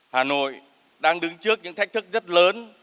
hà nội đang đứng trước những thách thức rất lớn